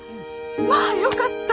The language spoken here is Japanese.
まあよかった！